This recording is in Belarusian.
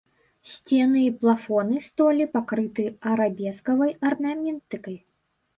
Сцены і плафоны столі пакрыты арабескавай арнаментыкай.